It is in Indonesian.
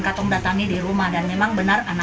dan memang benar anaknya itu ada di dalam